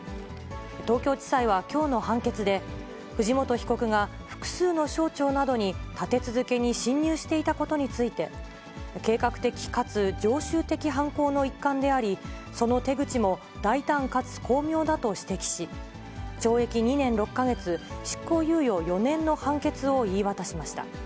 東京地裁はきょうの判決で、藤本被告が複数の省庁などに立て続けに侵入していたことについて、計画的かつ常習的犯行の一環であり、その手口も大胆かつ巧妙だと指摘し、懲役２年６か月、執行猶予４年の判決を言い渡しました。